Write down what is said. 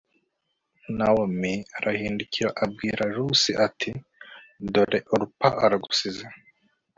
nawomi arahindukira abwira rusi ati dore orupa aragusize